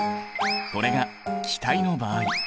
これが気体の場合。